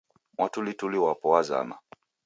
Mwatulituli wapo wazama